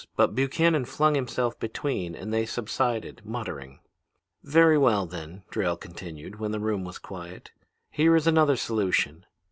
But Buchannon flung himself between, and they subsided, muttering. "'Very well, then,' Drayle continued, when the room was quiet, 'here is another solution.